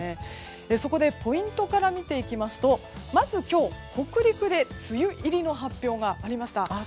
そこでポイントから見ていくとまず今日、北陸で梅雨入りの発表がありました。